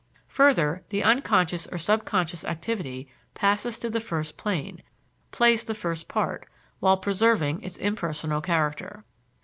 Further, the unconscious or subconscious activity passes to the first plane, plays the first part, while preserving its impersonal character.